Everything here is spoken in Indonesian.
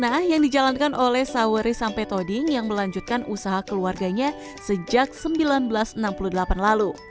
nah yang dijalankan oleh saweri sampai toding yang melanjutkan usaha keluarganya sejak seribu sembilan ratus enam puluh delapan lalu